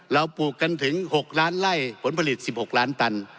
เราปลูกกันถึงหกล้านไล่ผลผลิตสิบหกล้านตัน